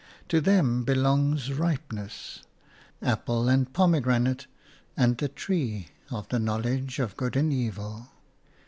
To them belongs ripeness – apple and pomegranate and the tree of the knowledge of good and evil.